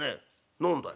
「何だい